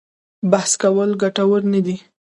بحث کول ګټور نه دي.